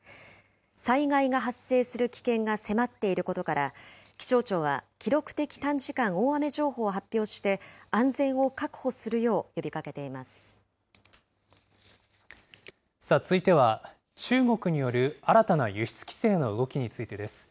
災害が発生する危険が迫っていることから、気象庁は記録的短時間大雨情報を発表して、安全を確保続いては、中国による新たな輸出規制の動きについてです。